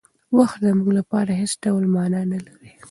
وخت زموږ لپاره هېڅ ډول مانا نهلري.